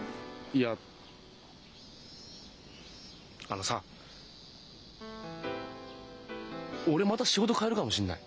いやあのさ俺また仕事変えるかもしんない。